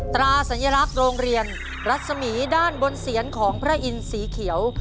ตราสัญลักษณ์โรงเรียนรัศมีด้านบนเสียนของพระอินทร์สีเขียว